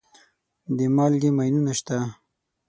د مالګې ماینونه شته.